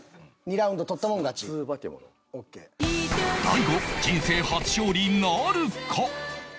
大悟人生初勝利なるか？